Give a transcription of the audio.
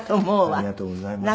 ありがとうございます。